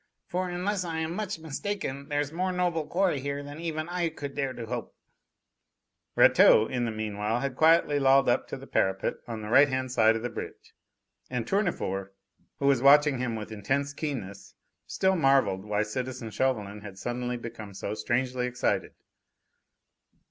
"For, unless I am much mistaken, there's more noble quarry here than even I could dare to hope!" Rateau in the meanwhile had quietly lolled up to the parapet on the right hand side of the bridge, and Tournefort, who was watching him with intense keenness, still marvelled why citizen Chauvelin had suddenly become so strangely excited.